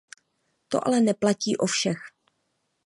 To ale neplatí o všech.